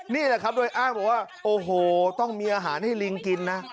นี่แหละครับโดยอ้างบอกว่าโอ้โหต้องมีอาหารให้ลิงกินนะ